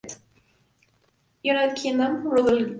United Kingdom: Routledge.